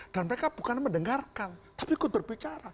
dan mereka bukan mendengarkan tapi ikut berbicara